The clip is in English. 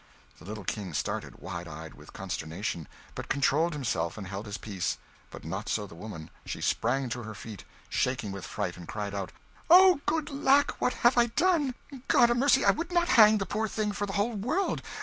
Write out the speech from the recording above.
The little King started, wide eyed with consternation, but controlled himself and held his peace; but not so the woman. She sprang to her feet, shaking with fright, and cried out "Oh, good lack, what have I done! God a mercy, I would not hang the poor thing for the whole world!